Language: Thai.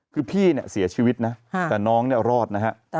คือพี่เนี่ยเสียชีวิตนะแต่น้องเนี่ยรอดนะฮะ